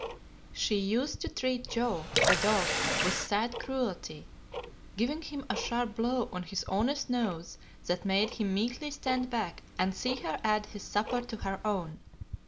"She used to treat Joe, the dog, with sad cruelty, giving him a sharp blow on his honest nose that made him meekly stand back and see her add his supper to her own.